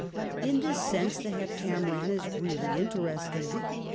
In this sense the " Hep tameron " is really interesting.